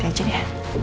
hati aja dia